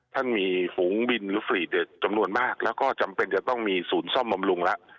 ท่านมีฝูงบินหรือฟรีเดชจำนวนมากแล้วก็จำเป็นจะต้องมีศูนย์ซ่อมบำรุงแล้ว